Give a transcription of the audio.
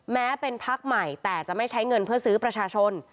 แม้เป็นพักใหม่แต่จะไม่ใช้เงินเพื่อซื้อประชาชน